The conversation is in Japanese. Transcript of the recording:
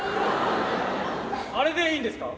あれでいいんですか？